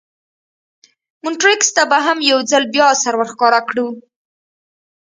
مونټریکس ته به هم یو ځل بیا سر ور ښکاره کړو.